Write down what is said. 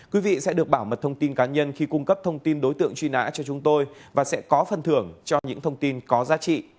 quý vị sẽ được bảo mật thông tin cá nhân khi cung cấp thông tin đối tượng truy nã cho chúng tôi và sẽ có phần thưởng cho những thông tin có giá trị